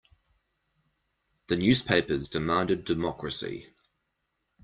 The newspapers demanded democracy.